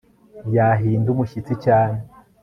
Yahinda umushyitsi cyane